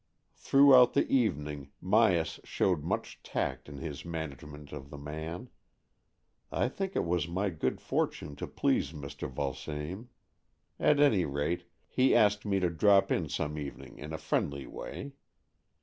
Throughout the evening Myas showed much tact in his management of the man. I think it was my good fortune to please Mr. Vulsame ; at any rate, he asked me to drop in some evening in a friendly way.